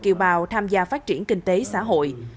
kiều bào tham gia phát triển kinh tế xã hội